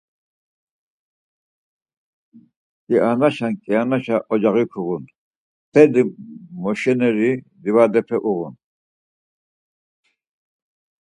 Kianaşen kianaşa ocaği kuğun, mteli moşeneri livadepe uğun.